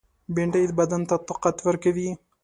بېنډۍ بدن ته طاقت ورکوي